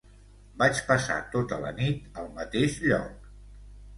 Vaig passar tota la nit al mateix lloc.